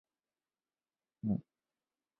这也是吐蕃历史上唯一一个年号。